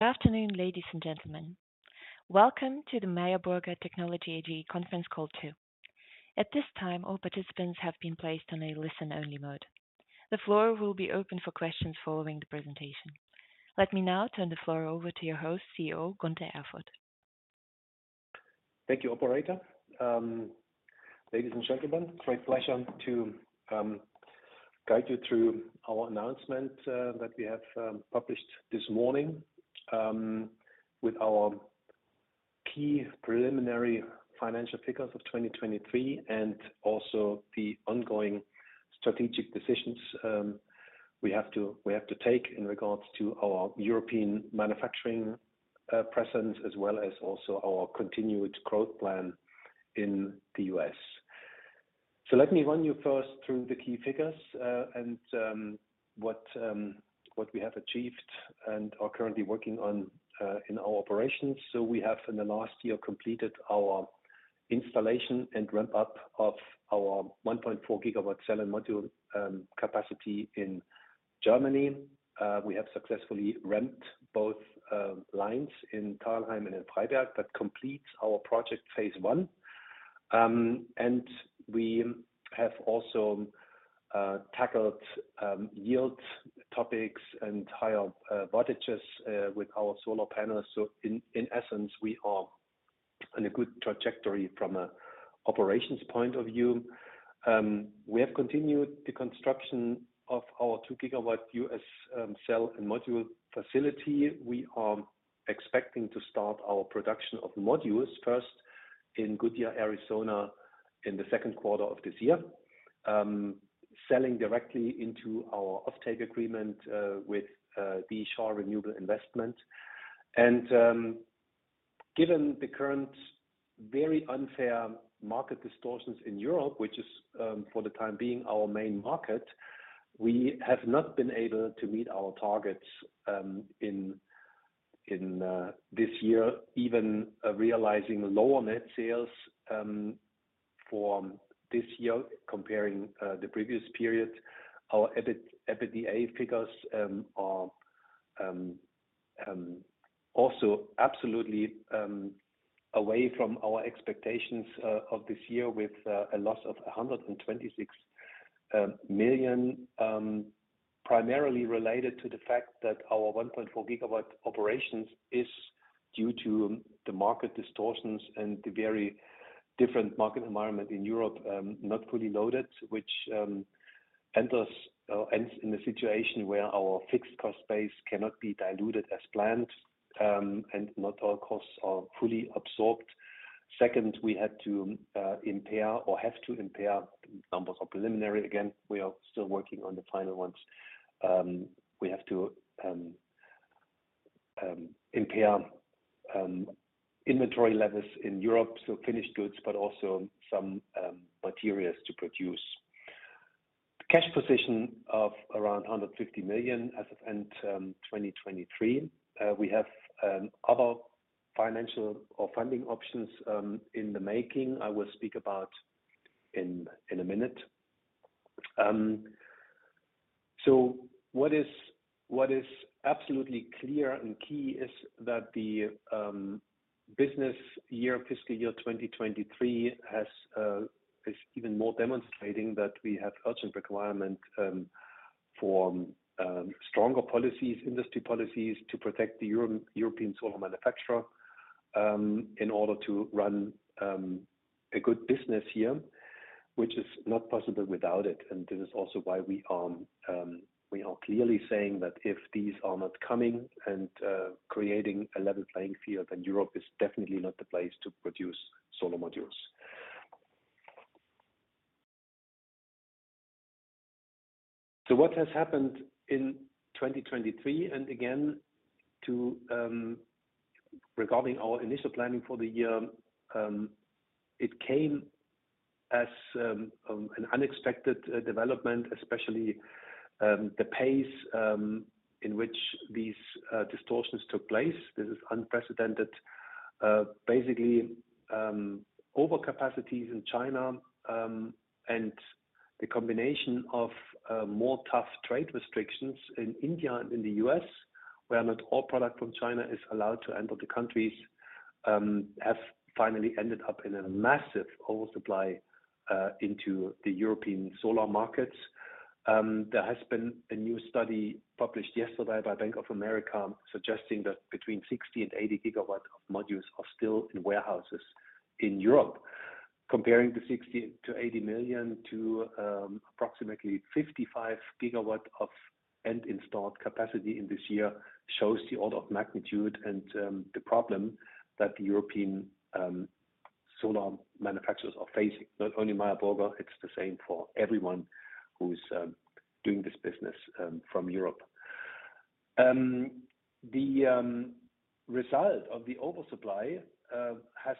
Good afternoon, ladies and gentlemen. Welcome to the Meyer Burger Technology AG Conference Call. At this time, all participants have been placed on a listen-only mode. The floor will be open for questions following the presentation. Let me now turn the floor over to your host, CEO, Gunter Erfurt. Thank you, operator. Ladies and gentlemen, great pleasure to guide you through our announcement that we have published this morning with our key preliminary financial figures of 2023, and also the ongoing strategic decisions we have to take in regards to our European manufacturing presence, as well as also our continued growth plan in the U.S.. So let me run you first through the key figures, and what we have achieved and are currently working on in our operations. So we have, in the last year, completed our installation and ramp-up of our 1.4GW cell and module capacity in Germany. We have successfully ramped both lines in Thalheim and in Freiberg. That completes our project phase one. And we have also tackled yield topics and higher voltages with our solar panels. So in essence, we are on a good trajectory from an operations point of view. We have continued the construction of our 2GW U.S. cell and module facility. We are expecting to start our production of modules first in Goodyear, Arizona, in the second quarter of this year, selling directly into our offtake agreement with the D.E. Shaw Renewable Investment. Given the current very unfair market distortions in Europe, which is, for the time being, our main market, we have not been able to meet our targets in this year, even realizing lower net sales from this year, comparing the previous period. Our EBITDA figures are also absolutely away from our expectations of this year, with a loss of 126 million, primarily related to the fact that our 1.4GW operations is due to the market distortions and the very different market environment in Europe, not fully loaded, which ends in a situation where our fixed cost base cannot be diluted as planned, and not all costs are fully absorbed. Second, we had to impair or have to impair, numbers are preliminary, again, we are still working on the final ones. We have to impair inventory levels in Europe, so finished goods, but also some materials to produce. Cash position of around 150 million as of end 2023. We have other financial or funding options in the making. I will speak about in a minute. So what is absolutely clear and key is that the business year, fiscal year 2023 has, is even more demonstrating that we have urgent requirement for stronger policies, industry policies, to protect the European solar manufacturer in order to run a good business here, which is not possible without it. And this is also why we are, we are clearly saying that if these are not coming and creating a level playing field, then Europe is definitely not the place to produce solar modules. What has happened in 2023, and again, Regarding our initial planning for the year, it came as an unexpected development, especially the pace in which these distortions took place. This is unprecedented, basically, overcapacities in China, and the combination of tougher trade restrictions in India and in the U.S., where not all product from China is allowed to enter the countries, have finally ended up in a massive oversupply into the European solar markets. There has been a new study published yesterday by Bank of America, suggesting that between 60 and 80GW of modules are still in warehouses in Europe. Comparing the 60 million to 80 million to approximately 55GW of end-installed capacity in this year shows the order of magnitude and the problem that the European solar manufacturers are facing. Not only Meyer Burger, it's the same for everyone who's doing this business from Europe. The result of the oversupply has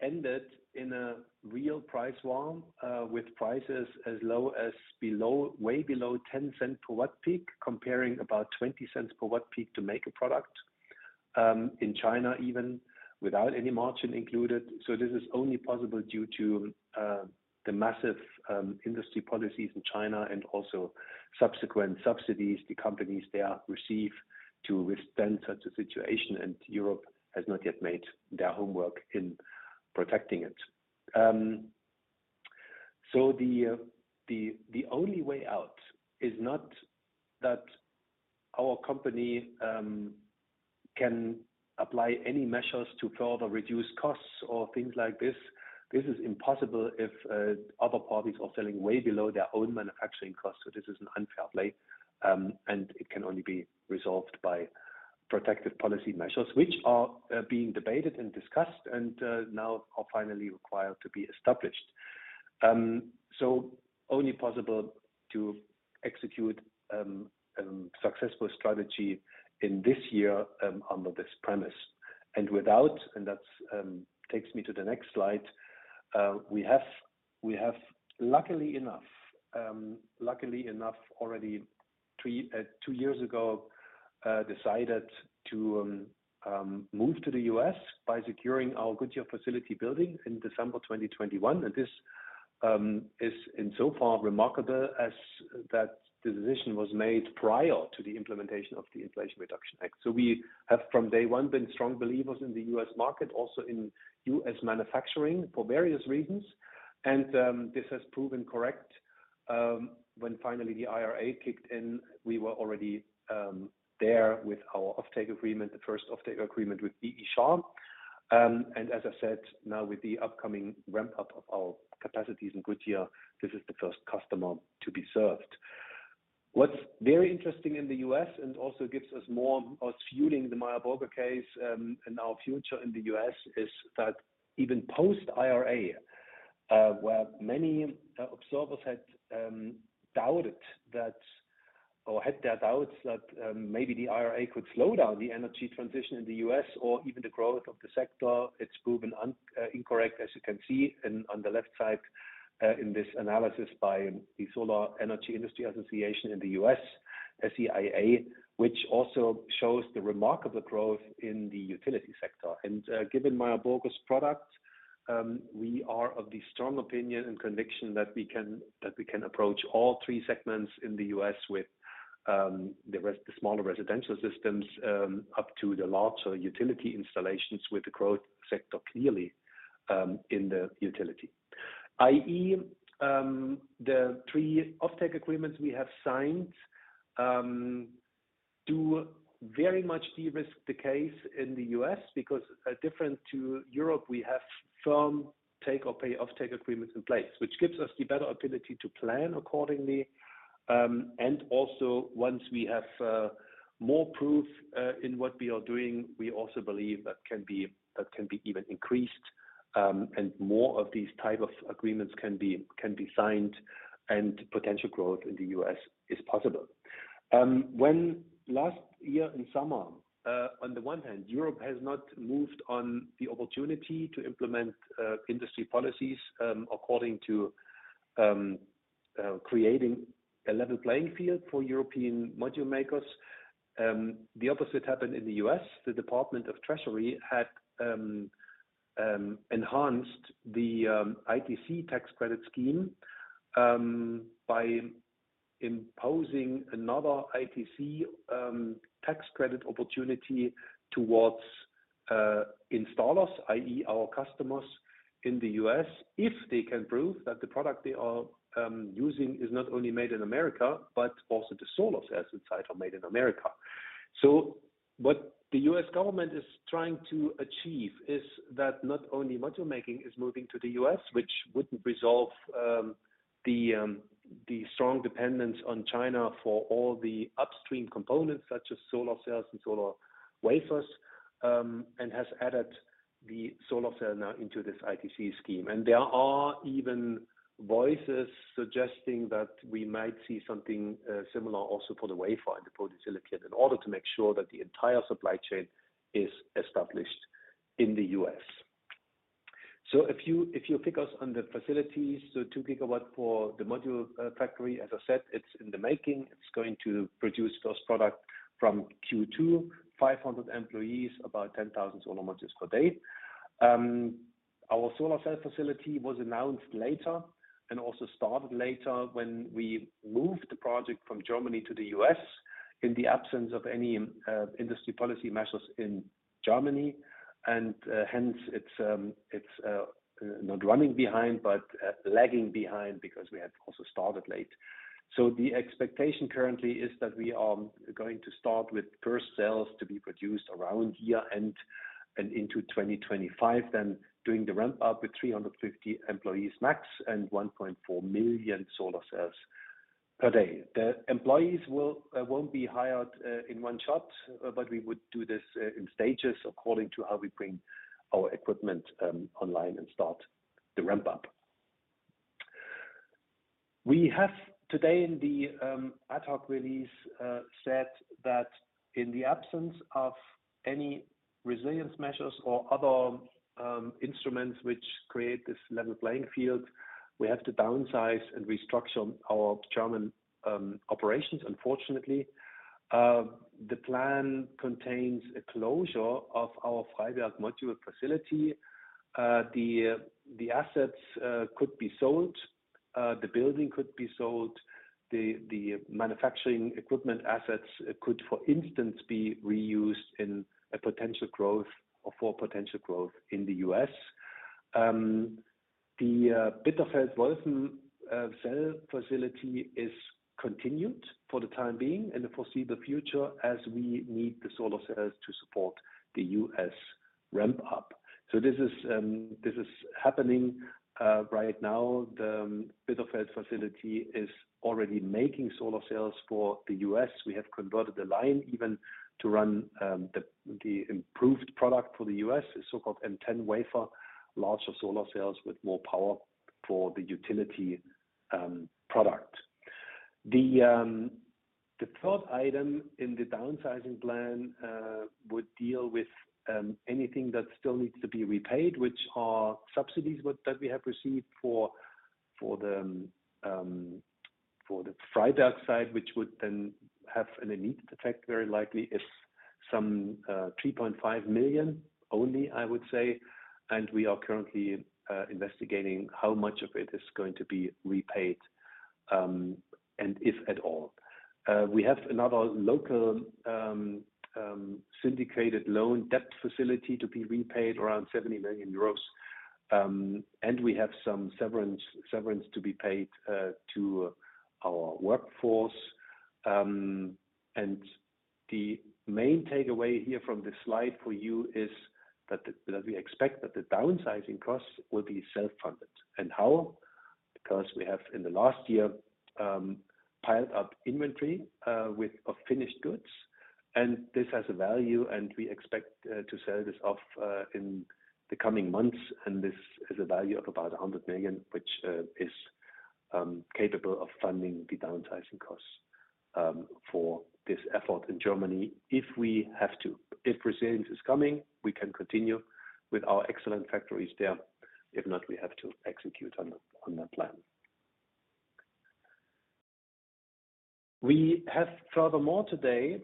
ended in a real price war with prices as low as below way below $0.10 per watt peak, comparing about $0.20 per watt peak to make a product in China, even without any margin included. So this is only possible due to the massive industry policies in China and also subsequent subsidies the companies there receive to withstand such a situation, and Europe has not yet made their homework in protecting it. So the only way out is not that our company can apply any measures to further reduce costs or things like this. This is impossible if other parties are selling way below their own manufacturing costs. So this is an unfair play, and it can only be resolved by protective policy measures, which are being debated and discussed and now are finally required to be established. So only possible to execute successful strategy in this year under this premise. And without, and that's takes me to the next slide. We have, we have luckily enough, luckily enough, already three two years ago decided to move to the U.S. by securing our Goodyear facility building in December 2021. And this is in so far remarkable as that the decision was made prior to the implementation of the Inflation Reduction Act. So we have, from day one, been strong believers in the U.S. market, also in U.S. manufacturing for various reasons. And this has proven correct. When finally the IRA kicked in, we were already there with our offtake agreement, the first offtake agreement with D.E. Shaw. And as I said, now, with the upcoming ramp-up of our capacities in Goodyear, this is the first customer to be served. What's very interesting in the US, and also gives us more fueling the Meyer Burger case, and our future in the US, is that even post-IRA, where many observers had doubted that or had their doubts that, maybe the IRA could slow down the energy transition in the US or even the growth of the sector, it's proven incorrect, as you can see, on the left side, in this analysis by the Solar Energy Industries Association in the US, SEIA, which also shows the remarkable growth in the utility sector. Given Meyer Burger's product, we are of the strong opinion and conviction that we can approach all three segments in the U.S. with the smaller residential systems up to the larger utility installations, with the growth sector clearly in the utility. I.e., the three offtake agreements we have signed do very much de-risk the case in the U.S. because different to Europe, we have firm take-or-pay offtake agreements in place, which gives us the better ability to plan accordingly. Also once we have more proof in what we are doing, we also believe that can be even increased, and more of these type of agreements can be signed, and potential growth in the U.S. is possible. When last year in summer, on the one hand, Europe has not moved on the opportunity to implement industry policies according to creating a level playing field for European module makers. The opposite happened in the U.S. The Department of Treasury had enhanced the ITC tax credit scheme by imposing another ITC tax credit opportunity towards installers, i.e., our customers in the U.S., if they can prove that the product they are using is not only made in America, but also the solar cells inside are made in America. So what the U.S. government is trying to achieve is that not only module making is moving to the U.S., which wouldn't resolve the strong dependence on China for all the upstream components, such as solar cells and solar wafers, and has added the solar cell now into this ITC scheme. There are even voices suggesting that we might see something similar also for the wafer and the polysilicon, in order to make sure that the entire supply chain is established in the U.S. If you pick us on the facilities, 2 GW for the module factory, as I said, it's in the making. It's going to produce first product from Q2, 500 employees, about 10,000 solar modules per day. Our solar cell facility was announced later and also started later when we moved the project from Germany to the U.S., in the absence of any industry policy measures in Germany. And hence, it's not running behind, but lagging behind because we had also started late. So the expectation currently is that we are going to start with first sales to be produced around year-end and into 2025. Then doing the ramp-up with 350 employees max, and 1.4 million solar cells per day. The employees won't be hired in one shot, but we would do this in stages according to how we bring our equipment online and start the ramp-up. We have today in the ad hoc release said that in the absence of any resilience measures or other instruments which create this level playing field, we have to downsize and restructure our German operations, unfortunately. The plan contains a closure of our Freiberg module facility. The assets could be sold. The building could be sold, the manufacturing equipment assets could, for instance, be reused in a potential growth or for potential growth in the U.S. The Bitterfeld-Wolfen cell facility is continued for the time being and the foreseeable future as we need the solar cells to support the U.S. ramp up. So this is happening right now. The Bitterfeld facility is already making solar cells for the U.S. We have converted the line even to run the improved product for the U.S., the so-called M10 wafer, larger solar cells with more power for the utility product. The third item in the downsizing plan would deal with anything that still needs to be repaid, which are subsidies that we have received for the FTE headcount, which would then have an immediate effect, very likely some 3.5 million only, I would say. We are currently investigating how much of it is going to be repaid, and if at all. We have another local syndicated loan debt facility to be repaid, around 70 million euros. And we have some severance to be paid to our workforce. And the main takeaway here from this slide for you is that we expect that the downsizing costs will be self-funded. And how? Because we have, in the last year, piled up inventory of finished goods, and this has a value, and we expect to sell this off in the coming months. And this is a value of about 100 million, which is capable of funding the downsizing costs for this effort in Germany, if we have to. If resilience is coming, we can continue with our excellent factories there. If not, we have to execute on the plan. We have furthermore today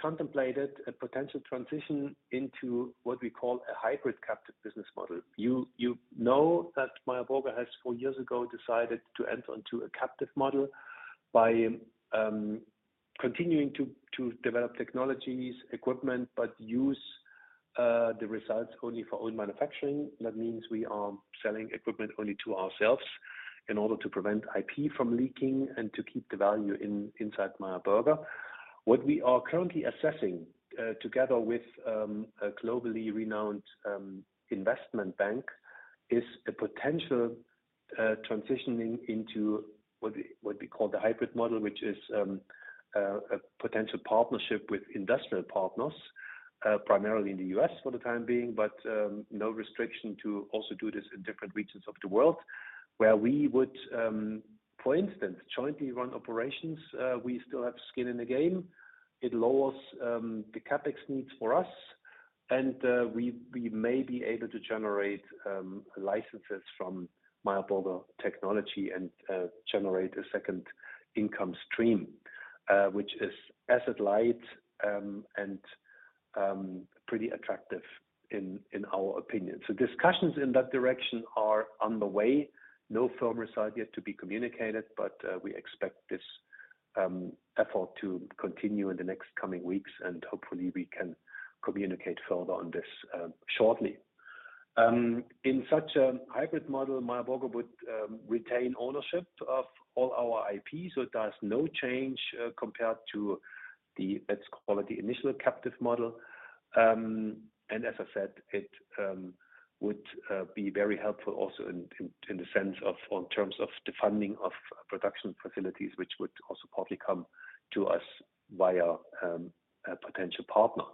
contemplated a potential transition into what we call a hybrid captive business model. You know that Meyer Burger has, four years ago, decided to enter onto a captive model by continuing to develop technologies, equipment, but use the results only for own manufacturing. That means we are selling equipment only to ourselves in order to prevent IP from leaking and to keep the value inside Meyer Burger. What we are currently assessing together with a globally renowned investment bank is a potential transitioning into what we call the hybrid model, which is a potential partnership with industrial partners primarily in the US for the time being, but no restriction to also do this in different regions of the world. Where we would, for instance, jointly run operations, we still have skin in the game. It lowers the CapEx needs for us, and we may be able to generate licenses from Meyer Burger Technology and generate a second income stream, which is asset light, and pretty attractive in our opinion. So discussions in that direction are on the way. No firm result yet to be communicated, but we expect this effort to continue in the next coming weeks, and hopefully, we can communicate further on this shortly. In such a hybrid model, Meyer Burger would retain ownership of all our IP, so there is no change compared to the, let's call it, the initial captive model. As I said, it would be very helpful also in the sense of, on terms of the funding of production facilities, which would also probably come to us via a potential partner.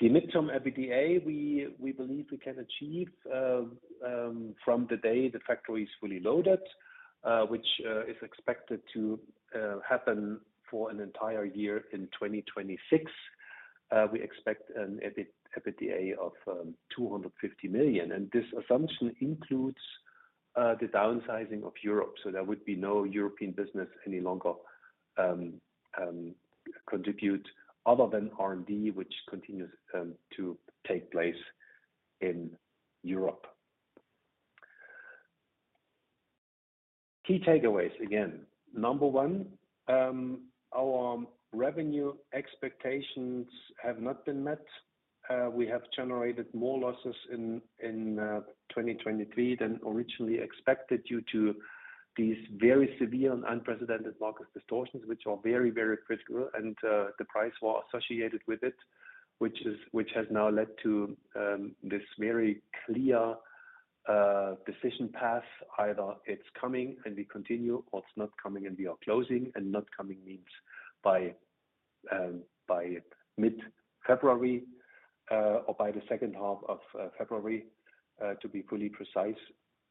The mid-term EBITDA, we believe we can achieve, from the day the factory is fully loaded, which is expected to happen for an entire year in 2026. We expect an EBITDA of 250 million, and this assumption includes the downsizing of Europe, so there would be no European business any longer contribute other than R&D, which continues to take place in Europe. Key takeaways. Again, number one, our revenue expectations have not been met. We have generated more losses in 2023 than originally expected, due to these very severe and unprecedented market distortions, which are very, very critical. And the price war associated with it, which is-- which has now led to this very clear decision path. Either it's coming and we continue, or it's not coming and we are closing, and not coming means by mid-February or by the second half of February to be fully precise.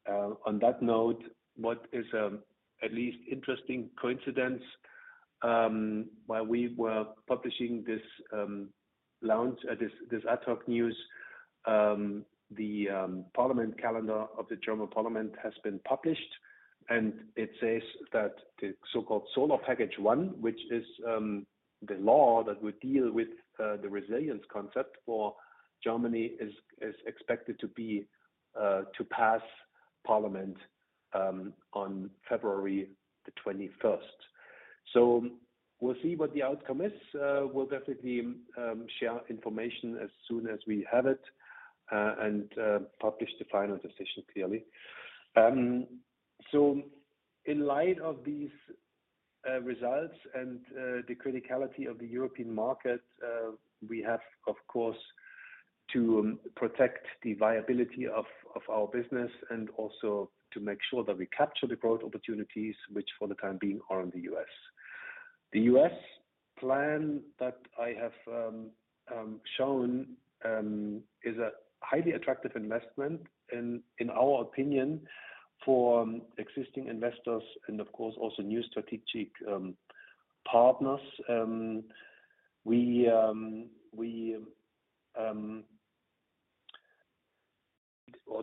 On that note, what is at least interesting coincidence, while we were publishing this launch this ad hoc news, the parliament calendar of the German parliament has been published, and it says that the so-called Solar Package One, which is the law that would deal with the resilience concept for Germany is expected to pass parliament on February the twenty-first. So we'll see what the outcome is. We'll definitely share information as soon as we have it and publish the final decision, clearly. So in light of these results and the criticality of the European market, we have, of course, to protect the viability of our business and also to make sure that we capture the growth opportunities, which for the time being, are in the US. The US plan that I have shown is a highly attractive investment in our opinion, for existing investors and of course, also new strategic partners. We or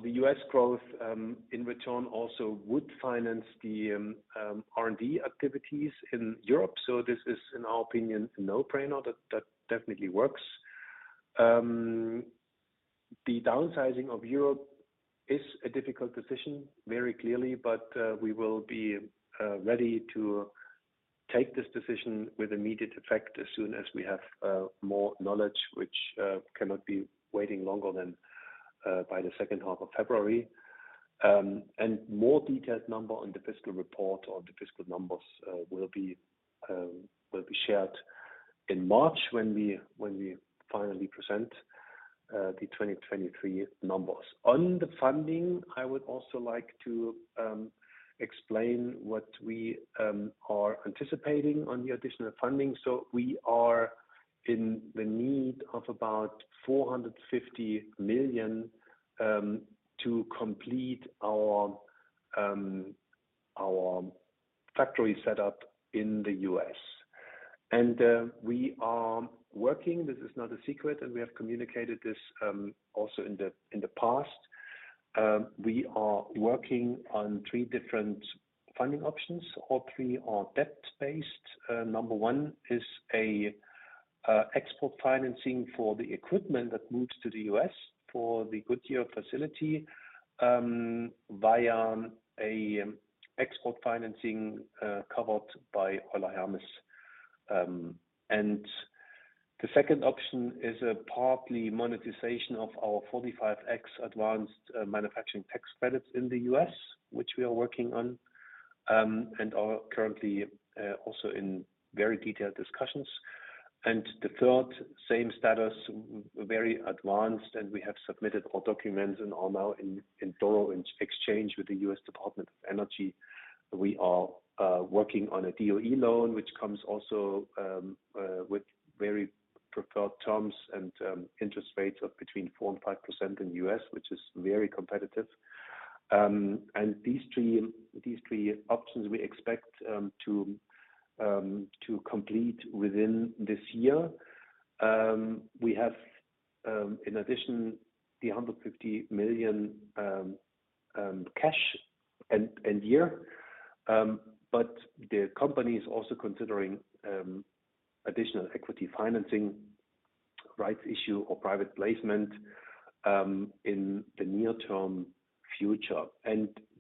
the US growth in return also would finance the R&D activities in Europe. So this is, in our opinion, a no-brainer, that definitely works. The downsizing of Europe is a difficult decision, very clearly, but we will be ready to take this decision with immediate effect as soon as we have more knowledge, which cannot be waiting longer than by the second half of February. And more detailed number on the fiscal report or the fiscal numbers will be shared in March when we finally present the 2023 numbers. On the funding, I would also like to explain what we are anticipating on the additional funding. So we are in the need of about $450 million to complete our factory set up in the U.S. We are working, this is not a secret, and we have communicated this also in the past. We are working on three different funding options. All three are debt-based. Number one is an export financing for the equipment that moves to the U.S. for the Goodyear facility, via an export financing covered by Euler Hermes. And the second option is a partial monetization of our 45X advanced manufacturing tax credits in the U.S., which we are working on and are currently also in very detailed discussions. And the third, same status, very advanced, and we have submitted all documents and are now in thorough exchange with the U.S. Department of Energy. We are working on a DOE loan, which comes also with very preferred terms and interest rates of between 4% and 5% in the U.S., which is very competitive. These three options we expect to complete within this year. We have in addition the 150 million cash end year. But the company is also considering additional equity financing, Rights Issue, or private placement in the near-term future.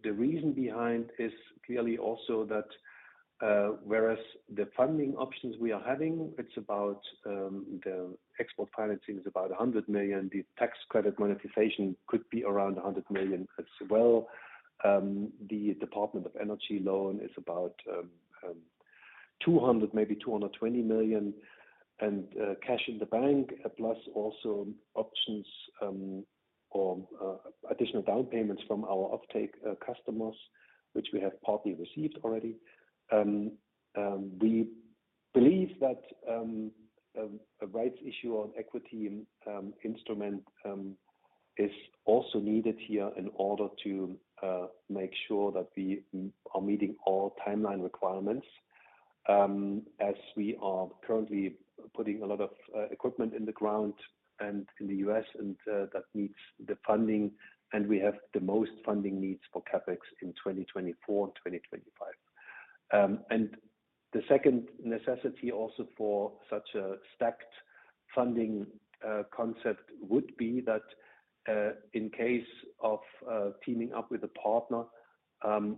The reason behind is clearly also that whereas the funding options we are having, it's about the export financing is about 100 million. The tax credit monetization could be around 100 million as well. The Department of Energy loan is about $200 million, maybe $220 million, and cash in the bank, plus also options, or additional down payments from our offtake customers, which we have partly received already. We believe that a rights issue on equity instrument is also needed here in order to make sure that we are meeting all timeline requirements, as we are currently putting a lot of equipment in the ground and in the US, and that needs the funding, and we have the most funding needs for CapEx in 2024, 2025. And the second necessity also for such a stacked funding concept would be that, in case of teaming up with a partner,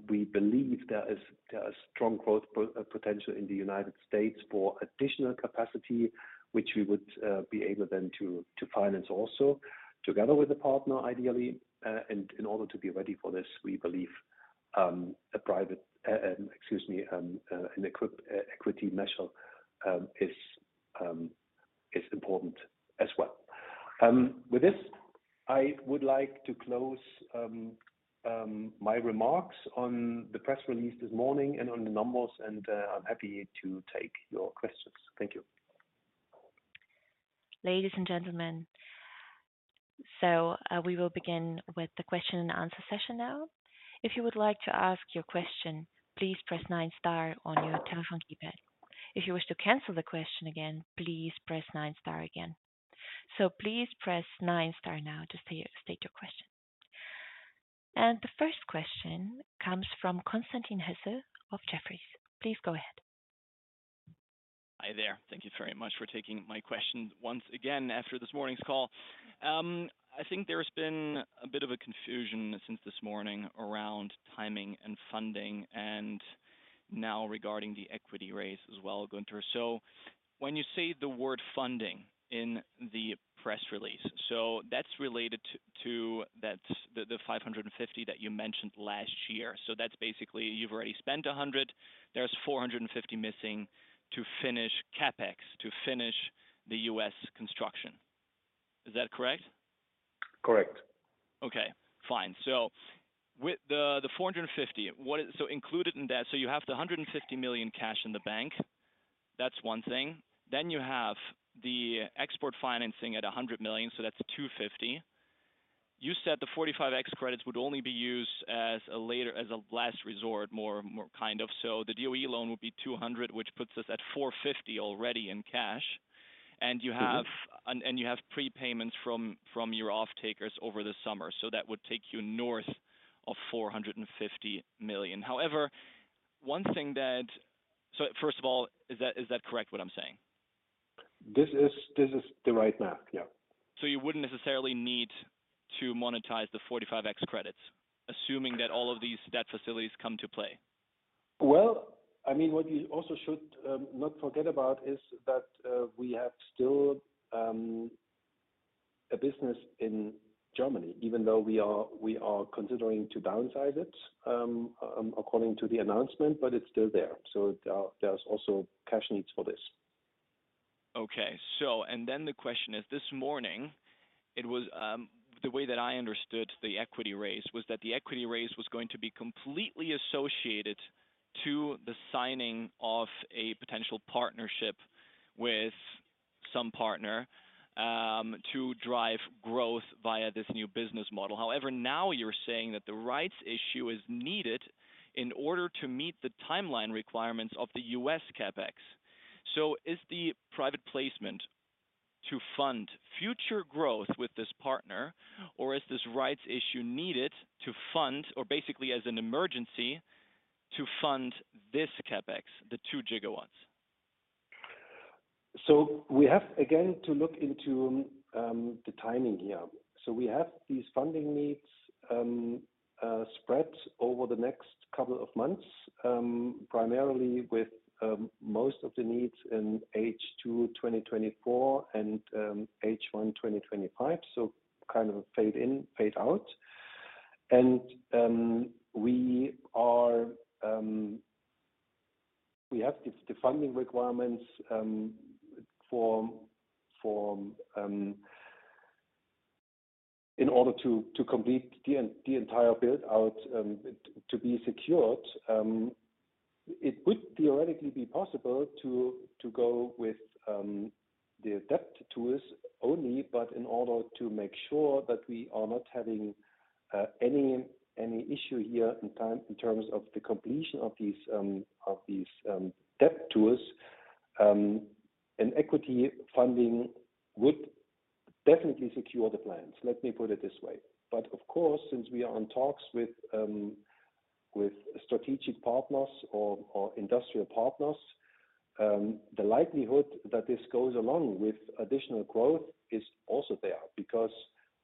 we believe there is a strong growth potential in the United States for additional capacity, which we would be able then to finance also together with a partner, ideally. And in order to be ready for this, we believe an equity measure is important as well. With this, I would like to close my remarks on the press release this morning and on the numbers, and I'm happy to take your questions. Thank you. Ladies and gentlemen, so, we will begin with the question and answer session now. If you would like to ask your question, please press nine star on your telephone keypad. If you wish to cancel the question again, please press nine star again. So please press nine star now to say, state your question. The first question comes from Constantin Hesse of Jefferies. Please go ahead. Hi there. Thank you very much for taking my question once again, after this morning's call. I think there's been a bit of a confusion since this morning around timing and funding, and now regarding the equity raise as well, Gunter. So when you say the word funding in the press release, so that's related to the five hundred and fifty that you mentioned last year. So that's basically you've already spent a hundred, there's four hundred and fifty missing to finish CapEx, to finish the U.S. construction. Is that correct? Correct. Okay, fine. With the 450, included in that, so you have the $150 million cash in the bank. That's one thing. Then you have the export financing at $100 million, so that's $250 million. You said the 45X credits would only be used as a later, as a last resort, more kind of. So the DOE loan would be $200 million, which puts us at $450 million already in cash. And you have prepayments from your off-takers over the summer, so that would take you north of 450 million. However, so first of all, is that correct what I'm saying? This is the right map. So you wouldn't necessarily need to monetize the 45X credits, assuming that all of these debt facilities come to play? Well, I mean, what you also should not forget about is that we have still a business in Germany, even though we are, we are considering to downsize it according to the announcement, but it's still there. So there, there's also cash needs for this. Okay. So the question is, this morning, the way that I understood the equity raise was that the equity raise was going to be completely associated with the signing of a potential partnership with some partner to drive growth via this new business model. However, now you're saying that the Rights Issue is needed in order to meet the timeline requirements of the U.S. CapEx. So is the private placement to fund future growth with this partner, or is this Rights Issue needed to fund, or basically as an emergency to fund this CapEx, the 2GW? So we have, again, to look into the timing here. So we have these funding needs, uh, spread over the next couple of months, primarily with most of the needs in H2 2024 and H1 2025, so kind of fade in, fade out. And we are, we have the funding requirements for in order to complete the entire build out to be secured. It would theoretically be possible to go with the debt tools only, but in order to make sure that we are not having any issue here in time, in terms of the completion of these debt tools, an equity funding would definitely secure the plans. Let me put it this way. But of course, since we are on talks with strategic partners or industrial partners, the likelihood that this goes along with additional growth is also there. Because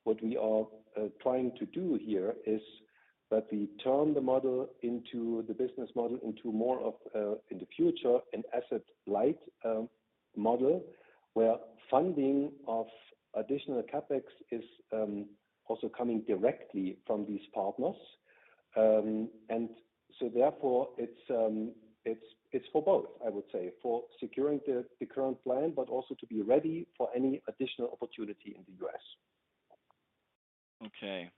what we are trying to do here is that we turn the model into the business model into more of, in the future, an asset-light model, where funding of additional CapEx is also coming directly from these partners. And so therefore, it's for both, I would say, for securing the current plan, but also to be ready for any additional opportunity in the U.S. Okay,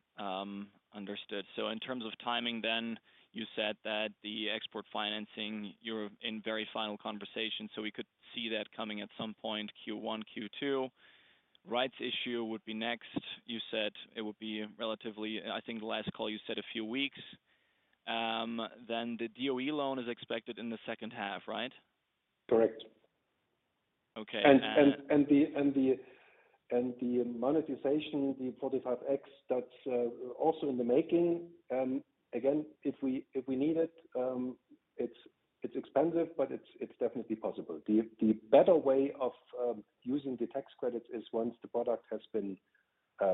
understood. So in terms of timing then, you said that the export financing, you're in very final conversation, so we could see that coming at some point, Q1, Q2. Rights Issue would be next. You said it would be relatively, the last call you said a few weeks, then the DOE loan is expected in the second half, right? Correct. The monetization, the 45X, that's also in the making. Again, if we need it, it's expensive, but it's definitely possible. The better way of using the tax credits is once the product has been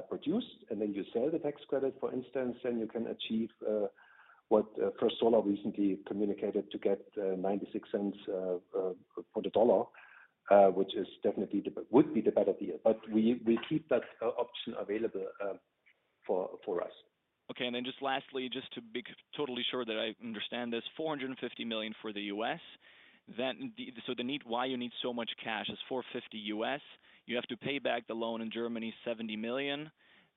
produced, and then you sell the tax credit, for instance, then you can achieve what First Solar recently communicated to get $0.96 for the dollar, which is definitely the would be the better deal. But we keep that option available for us. Okay, and then just lastly, just to be totally sure that I understand this, $450 million for the U.S., the need, why you need so much cash, is $450 million. You have to pay back the loan in Germany, 70 million.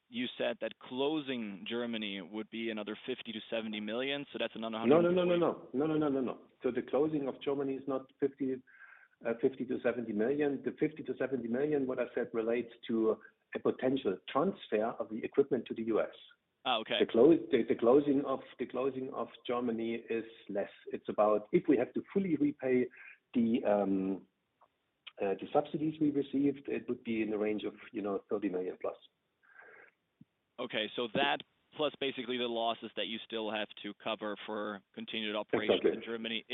You said that closing Germany would be another 50 million to 70 million, so that's another EUR 100. So the closing of Germany is not 50 million to 70 million. The 50 million to 70 million, what I said, relates to a potential transfer of the equipment to the U.S. Oh, okay. The closing of Germany is less. It's about if we have to fully repay the subsidies we received, it would be in the range of, you know, 30 million+. Okay. So that plus basically the losses that you still have to cover for continued operations in Germany,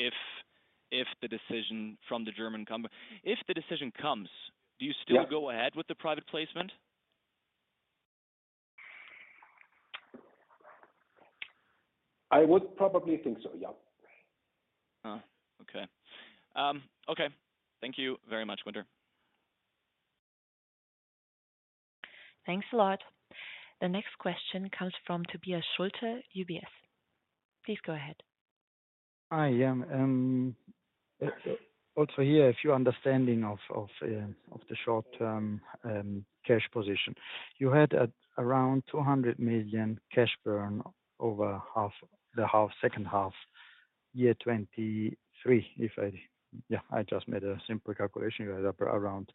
if the decision from the German comes. If the decision comes do you still go ahead with the private placement? I would probably think.. Thank you very much, Gunter. Thanks a lot. The next question comes from Tobias Schulte, UBS. Please go ahead. Hi, also here, a better understanding of the short-term cash position. You had around 200 million cash burn over the second half, 2023, I just made a simple calculation, you had around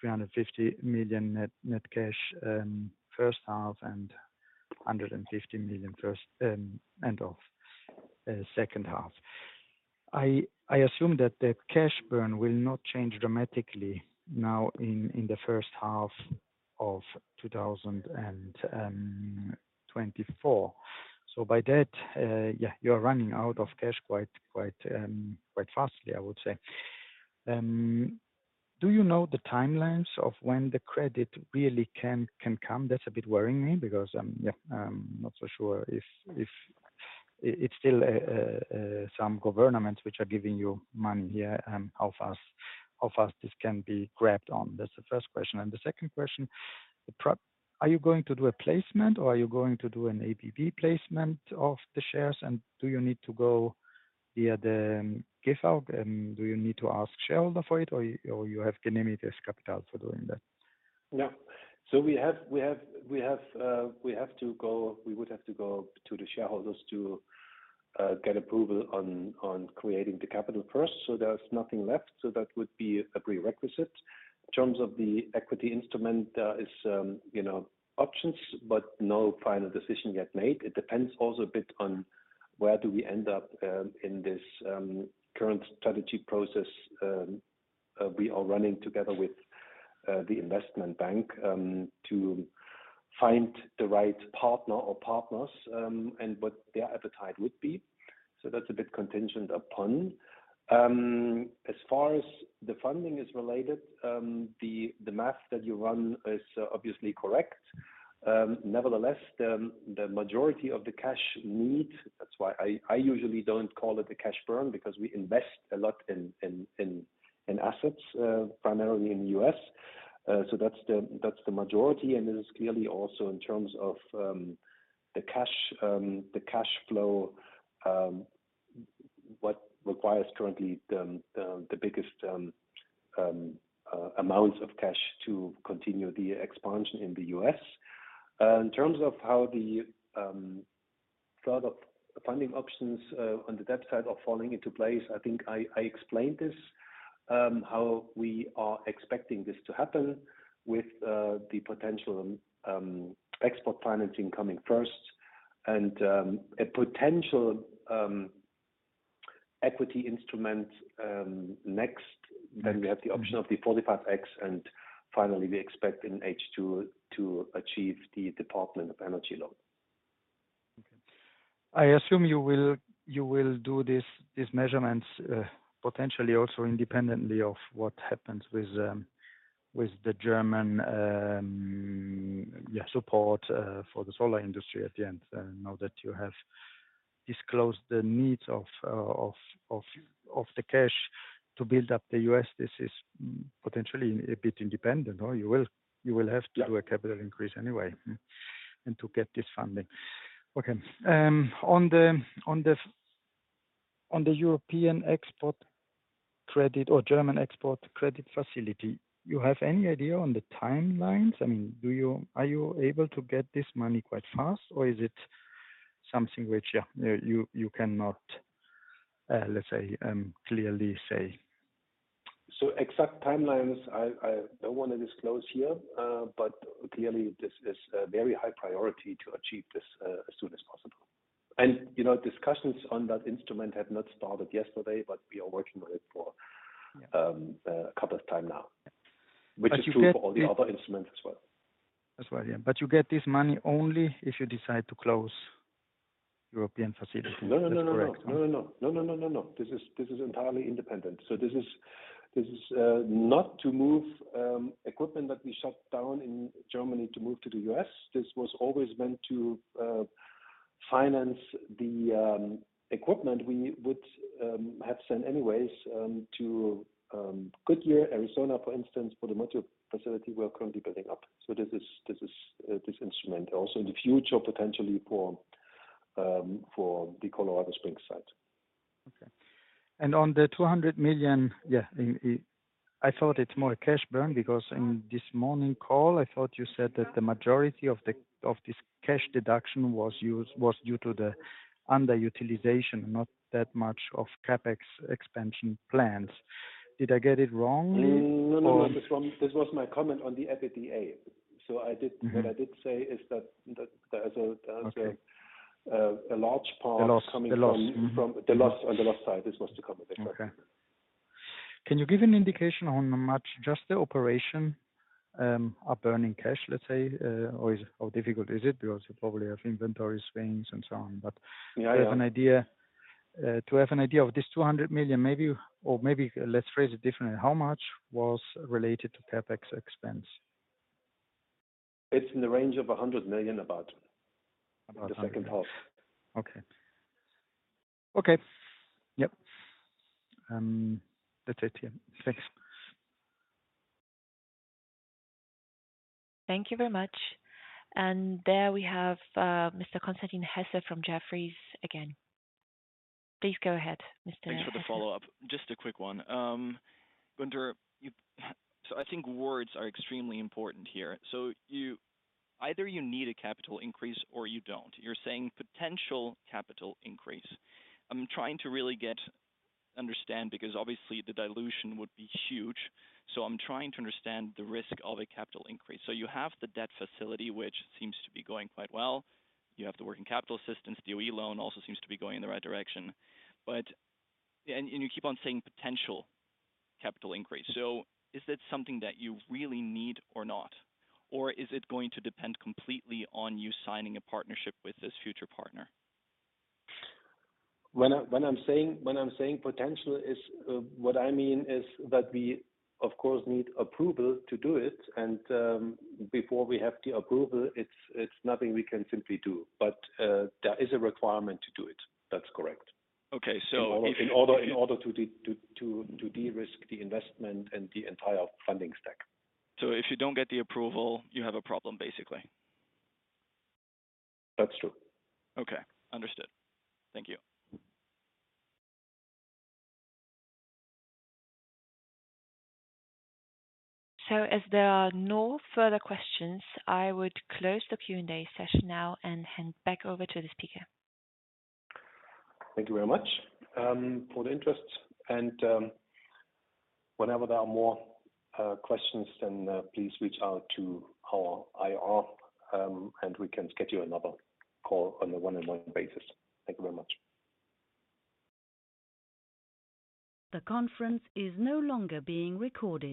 350 million net cash first half and 150 million end of second half. I assume that the cash burn will not change dramatically now in the first half of 2024. You're running out of cash quite fast, I would say. Do you know the timelines of when the credit really can come? That's a bit worrying me because, I'm not so sure if it's still some governments which are giving you money here, and how fast this can be grabbed on. That's the first question. The second question, are you going to do a placement or are you going to do an ABB placement of the shares? And do you need to go via the rights issue, and do you need to ask shareholder for it or you, or you have limited capital for doing that? So we have to go to the shareholders to get approval on creating the capital first, so there's nothing left. So that would be a prerequisite. In terms of the equity instrument, there is options, but no final decision yet made. It depends also a bit on where we end up in this current strategy process we are running together with the investment bank to find the right partner or partners and what their appetite would be. So that's a bit contingent upon. As far as the funding is related, the math that you run is obviously correct. Nevertheless, the majority of the cash needs, that's why I usually don't call it a cash burn, because we invest a lot in assets, primarily in the US. So that's the majority, and this is clearly also in terms of the cash flow, what requires currently the biggest amounts of cash to continue the expansion in the US. In terms of how the sort of funding options on the debt side are falling into place, I think I explained this, how we are expecting this to happen with the potential export financing coming first and a potential equity instrument next. Then we have the option of the 45x, and finally, we expect in H2 to achieve the Department of Energy loan. Okay. I assume you will, you will do this, these measurements, potentially also independently of what happens with the German support for the solar industry at the end. I know that you have disclosed the needs of the cash to build up the U.S. This is potentially a bit independent, or you will, you will have to do a capital increase anyway, and to get this funding. Okay, on the European export credit or German export credit facility, you have any idea on the timelines? I mean, are you able to get this money quite fast, or is it something which you cannot, let's say, clearly say? Exact timelines, I don't want to disclose here, but clearly, this is a very high priority to achieve this as soon as possible. And, you know, discussions on that instrument have not started yesterday, but we are working on it for a couple of times now, which is true for all the other instruments as well. That's right. But you get this money only if you decide to close European facilities? That's correct. This is, this is entirely independent. So this is, this is, not to move, equipment that we shut down in Germany to move to the U.S. This was always meant to, finance the, equipment we would, have sent anyways, to, Goodyear, Arizona, for instance, for the module facility we're currently building up. So this is, this is, this instrument also in the future, potentially for, for the Colorado Springs site. Okay. And on the 200 million I thought it's more a cash burn, because in this morning call, I thought you said that the majority of the- of this cash deduction was used, was due to the underutilization, not that much of CapEx expansion plans. Did I get it wrong or? This was my comment on the EBITDA. So I did what I did say is that as a large part the loss from the loss, on the loss side, this was to come with it. Okay. Can you give an indication on how much just the operation are burning cash, let's say? Or is, how difficult is it? Because you probably have inventory swings and so on, but to have an idea, to have an idea of this 200 million, maybe, or maybe let's phrase it differently. How much was related to CapEx expense? It's in the range of 100 million, about. About CHF 100 million. The second half. That's it. Thanks. Thank you very much. And there we have, Mr. Constantin Hesse from Jefferies again. Please go ahead, Mr. Hesse. Thanks for the follow-up. Just a quick one. Gunter, so I think words are extremely important here. So you either need a capital increase or you don't. You're saying potential capital increase. I'm trying to really understand, because obviously, the dilution would be huge, so I'm trying to understand the risk of a capital increase. So you have the debt facility, which seems to be going quite well. You have the working capital assistance, the OE loan also seems to be going in the right direction. But you keep on saying potential capital increase. So is that something that you really need or not? Or is it going to depend completely on you signing a partnership with this future partner? When I'm saying potential is, what I mean is that we, of course, need approval to do it, and, before we have the approval, it's nothing we can simply do. But, there is a requirement to do it. That's correct. In order to de-risk the investment and the entire funding stack. If you don't get the approval, you have a problem, basically? That's true. Okay. Understood. Thank you. As there are no further questions, I would close the Q&A session now and hand back over to the speaker. Thank you very much for the interest and whenever there are more questions, then please reach out to our IR and we can schedule you another call on a one-on-one basis. Thank you very much. The conference is no longer being recorded.